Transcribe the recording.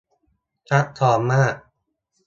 ซับซ้อนมาก